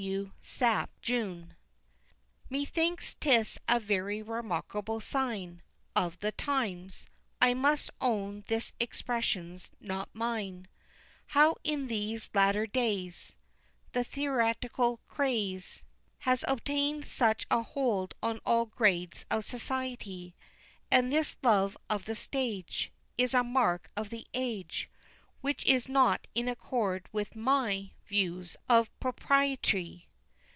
W. SAPTE, JUN. Methinks 'tis a very remarkable "sign Of the times" I must own this expression's not mine How in these latter days The theatrical craze Has obtained such a hold on all grades of society; And this love of the stage Is a mark of the age Which is not in accord with my views of propriety.